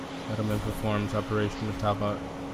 Edelmann performs the operation on Talbot.